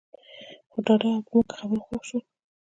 خو ډاډه او په زموږ خبرو خوښ شول.